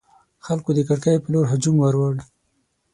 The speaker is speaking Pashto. خلکو د کړکۍ پر لور هجوم وروړ.